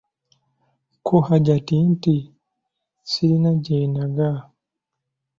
Ko Hajati nti:"nze silina gyendaga"